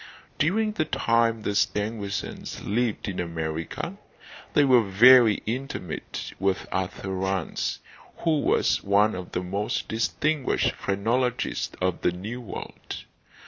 During the time the Stangersons lived in America they were very intimate with Arthur Rance, who was one of the most distinguished phrenologists of the new world.